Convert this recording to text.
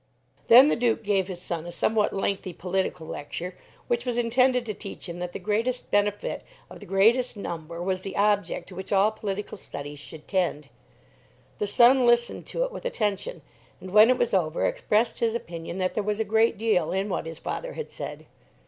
Then the Duke gave his son a somewhat lengthy political lecture, which was intended to teach him that the greatest benefit of the greatest number was the object to which all political studies should tend. The son listened to it with attention, and when it was over, expressed his opinion that there was a great deal in what his father had said.